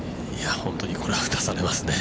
◆本当にこれは打たされますね。